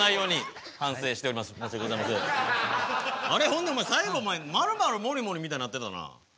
あれほんでお前最後お前マルマルモリモリみたいになってたな。